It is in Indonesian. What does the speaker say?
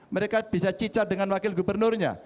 mereka bisa cicat dengan wakil gubernurnya